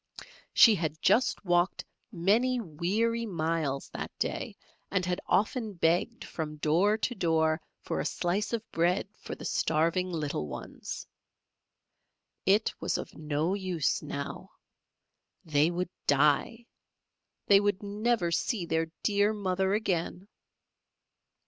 She had just walked many weary miles that day, and had often begged from door to door for a slice of bread for the starving little ones. It was of no use now they would die! They would never see their dear mother again.